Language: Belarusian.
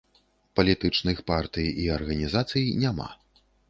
Палітычных партый і арганізацый няма.